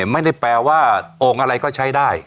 ไม่ได้แปลว่าโอ่งอะไรก็ใช้ได้